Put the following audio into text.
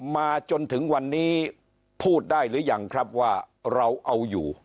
มาจนถึงวันนี้พูดได้หรือยังครับว่าเราเอาอยู่